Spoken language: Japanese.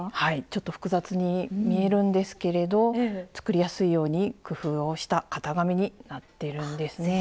ちょっと複雑に見えるんですけれど作りやすいように工夫をした型紙になってるんですね。